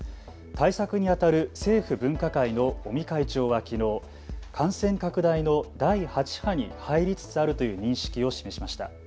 対策にあたる政府分科会の尾身会長はきのう、感染拡大の第８波に入りつつあるという認識を示しました。